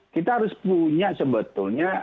kita harus punya sebetulnya